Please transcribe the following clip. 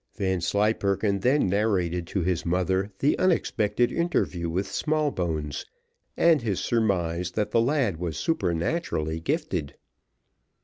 Vanslyperken then narrated to his mother the unexpected interview with Smallbones, and his surmise that the lad was supernaturally gifted.